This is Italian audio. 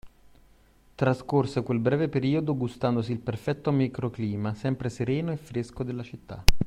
Trascorse quel breve periodo gustandosi il perfetto microclima sempre sereno e fresco della città